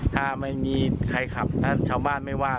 ถ้าไม่มีใครขับถ้าชาวบ้านไม่ว่าง